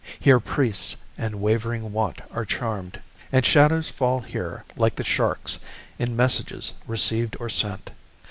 Here priests and wavering want are charmed. And shadows fall here like the shark's In messages received or sent.